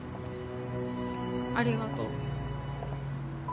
ありがとう。